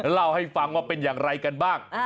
เล่าให้ฟังว่าเป็นอย่างไรกันบ้าง